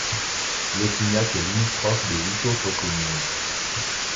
Lautignac est limitrophe de huit autres communes.